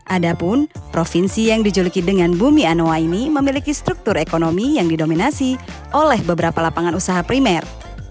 adapun provinsi yang dijuluki dengan bumi anoa ini memiliki struktur ekonomi yang didominasi oleh beberapa lapangan usaha primer